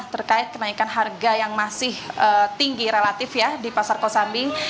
terkait kenaikan harga yang masih tinggi relatif ya di pasar kosambing